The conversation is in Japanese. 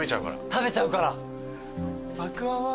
食べちゃうから。